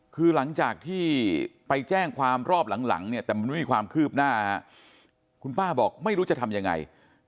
คือหลังจากที่ไปแจ้งความรอบหลังเนี่ยแต่มันไม่มีความคืบหน้าคุณป้าบอกไม่รู้จะทำยังไง